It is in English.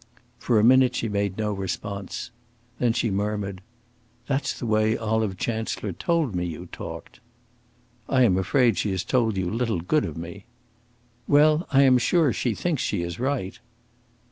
For a minute she made no response. Then she murmured: "That's the way Olive Chancellor told me you talked." "I am afraid she has told you little good of me." "Well, I am sure she thinks she is right."